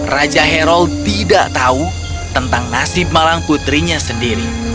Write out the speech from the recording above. raja hairold tidak tahu tentang nasib malang putrinya sendiri